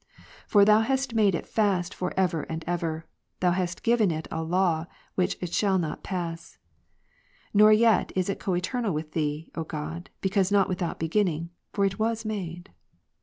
For Thou hast made it fast for Ps. 148, ever and ever, Thou hast given it a law which it shall not ^' pass. Nor yet is it coeternal with Thee, O God, because not without beginning ; for it was made.